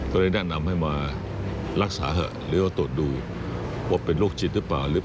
ที่ต้องได้รับการดูแลอย่างใกล้ชิดจากแพทย์